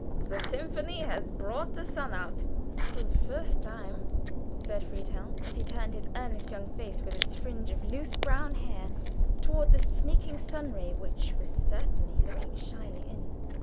The symphony has brought the sun out." "For the first time," said Friedhelm, as he turned his earnest young face with its fringe of loose brown hair toward the sneaking sun ray, which was certainly looking shyly in.